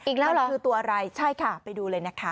อีกแล้วมันคือตัวอะไรใช่ค่ะไปดูเลยนะคะ